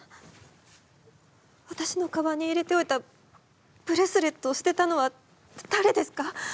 わたしのかばんに入れておいたブレスレットを捨てたのはだれですか？